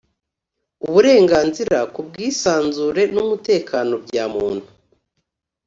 uburenganzira ku bwisanzure n umutekano bya muntu